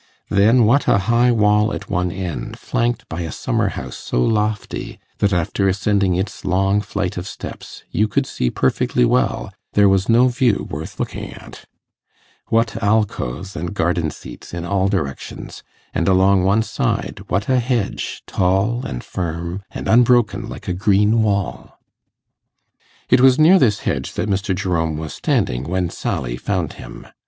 Then what a high wall at one end, flanked by a summer house so lofty, that after ascending its long flight of steps you could see perfectly well there was no view worth looking at; what alcoves and garden seats in all directions; and along one side, what a hedge, tall, and firm, and unbroken, like a green wall! It was near this hedge that Mr. Jerome was standing when Sally found him.